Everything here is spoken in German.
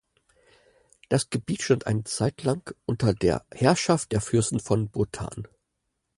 Das Gebiet stand eine Zeit lang unter der Herrschaft der Fürsten von Botan.